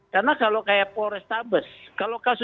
karena kalau kayak polres sabes